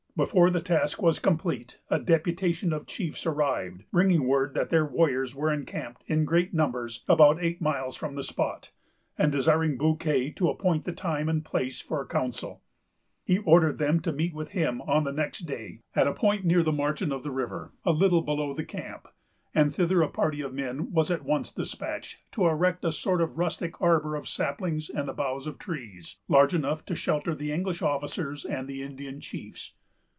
Before the task was complete, a deputation of chiefs arrived, bringing word that their warriors were encamped, in great numbers, about eight miles from the spot, and desiring Bouquet to appoint the time and place for a council. He ordered them to meet him, on the next day, at a point near the margin of the river, a little below the camp; and thither a party of men was at once despatched, to erect a sort of rustic arbor of saplings and the boughs of trees, large enough to shelter the English officers and the Indian chiefs.